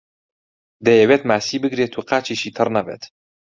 دەیەوێت ماسی بگرێت و قاچیشی تەڕ نەبێت.